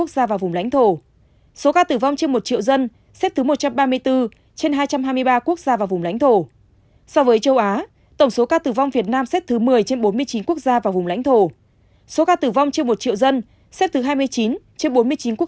so với thế giới tổng số ca tử vong việt nam xét thứ ba mươi bốn trên hai trăm hai mươi ba quốc gia và vùng lãnh thổ